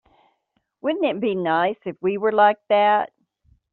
Wouldn't it be nice if we were like that?